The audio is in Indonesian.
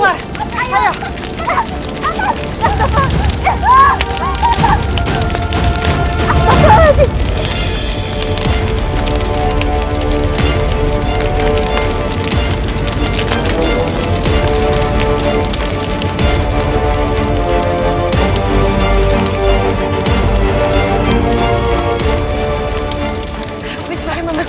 ayo kita keluar